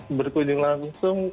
iya berkunjung langsung